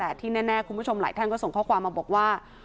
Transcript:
แต่ที่แน่คุณผู้ชมหลายท่านก็ส่งข้อความมาบอกว่า